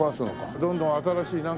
どんどん新しいなんか。